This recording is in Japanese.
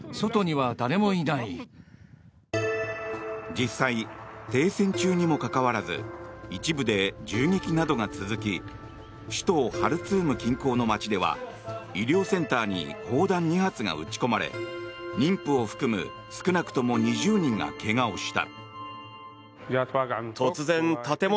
実際、停戦中にもかかわらず一部で銃撃などが続き首都ハルツーム近郊の街では医療センターに砲弾２発が撃ち込まれ妊婦を含む少なくとも２０人が怪我をした。